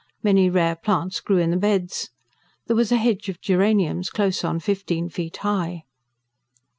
Many rare plants grew in the beds. There was a hedge of geraniums close on fifteen feet high.